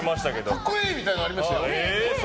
格好いいみたいなのもありましたよ。